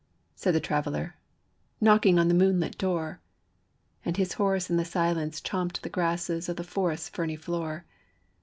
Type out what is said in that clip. said the Traveler, Knocking on the moonlit door; And his horse in the silence chomped the grasses Of the forest's ferny floor.